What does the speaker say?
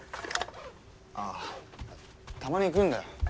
ああたまに来るんだよ。